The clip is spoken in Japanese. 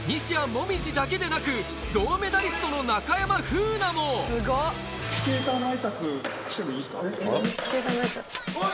椛だけでなく銅メダリストの中山楓奈もおい！